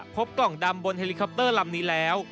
พบกล่องดำบนเฮลิคอปเตอร์ลำนี้แล้ว